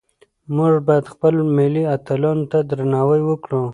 موږ باید خپل ملي اتلانو ته درناوی وکړو.